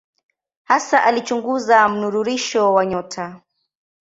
Hasa alichunguza mnururisho wa nyota.